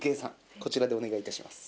こちらでお願い致します。